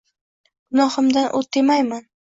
Gunohimdan o’t demayman